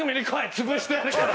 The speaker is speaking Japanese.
潰してやるから！